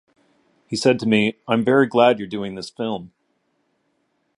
He said to me, 'I'm very glad you're doing this film.